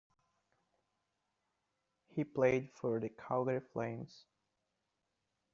He played for the Calgary Flames.